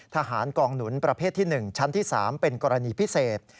ทหารกองหนุนประเภทที่๑ชั้นที่๓เป็นกรณีพิเศษ